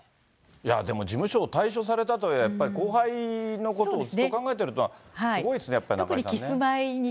でも、事務所を退所されたとはいえ、やっぱり後輩のことをずっと考えてるっていうのは、すごいですね、やっぱり中居さんね。